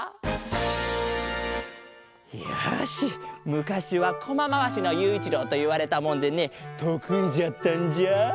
むかしはコマまわしのゆういちろうといわれたもんでねとくいじゃったんじゃ！